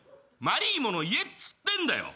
まりーもの言えっつってんだよ。